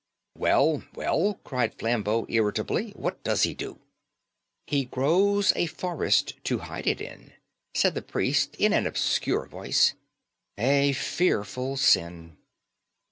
"Well, well," cried Flambeau irritably, "what does he do?" "He grows a forest to hide it in," said the priest in an obscure voice. "A fearful sin."